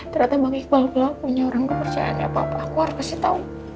ternyata bang iqbal belom punya orang kepercayaan ya papa aku harus kasih tau